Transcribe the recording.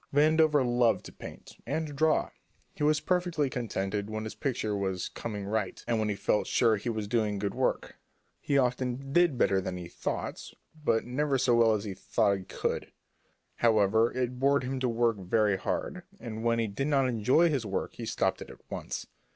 Vandover loved to paint and to draw. He was perfectly contented when his picture was "coming right," and when he felt sure he was doing good work. He often did better than he thought he would, but never so well as he thought he could. However, it bored him to work very hard, and when he did not enjoy his work he stopped it at once.